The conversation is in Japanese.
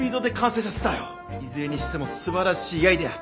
いずれにしてもすばらしいアイデア。